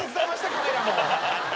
カメラも。